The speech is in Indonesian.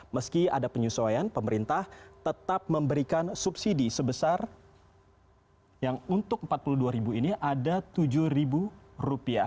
meski ada penyesuaian pemerintah tetap memberikan subsidi sebesar yang untuk rp empat puluh dua ini ada rp tujuh